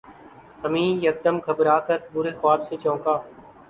امیں یکدم گھبرا کر برے خواب سے چونکا